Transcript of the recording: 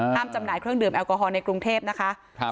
ห้ามจำนวนดื่มแอลกอฮอล์ในกรุงเทพฯนะคะครับ